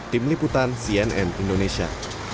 tim liputan cnn indonesia